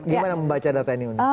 gimana membaca data ini